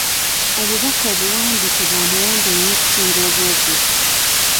Obubaka obuwandiike bwa muwendo nnyo okusinga obwogere.